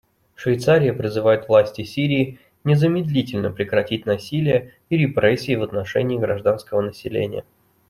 Швейцария призывает власти Сирии незамедлительно прекратить насилие и репрессии в отношении гражданского населения.